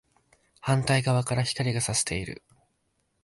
反対側から光が射している